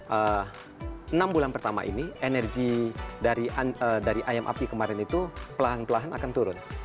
dalam enam bulan pertama ini energi dari ayam api kemarin itu pelan pelan akan turun